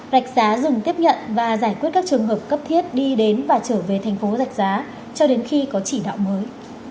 hãy quyết các trường hợp cấp thiết đi đến và trở về tp đạch giá cho đến khi có chỉ đạo mới